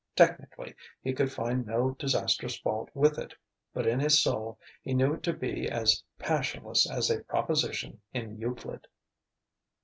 Technically he could find no disastrous fault with it; but in his soul he knew it to be as passionless as a proposition in Euclid.